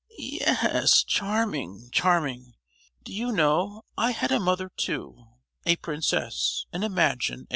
"Ye—yes; charming—charming! Do you know, I had a mother too,—a princess, and imagine!